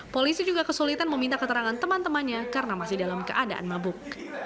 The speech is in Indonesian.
polisi juga kesulitan meminta keterangan teman temannya karena masih dalam keadaan mabuk